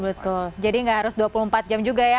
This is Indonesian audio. betul jadi nggak harus dua puluh empat jam juga ya